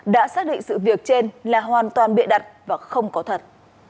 đã xác định sự việc trên là hoàn toàn bịa đặt và không có thật